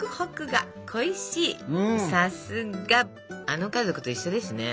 あの家族と一緒ですね。